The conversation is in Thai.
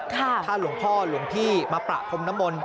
ถ้าหลวงพ่อหลวงพี่มาประพรมน้ำมนต์